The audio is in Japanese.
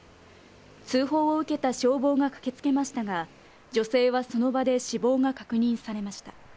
通報を受けた消防が駆けつけましたが、女性はその場で死亡が確認されました。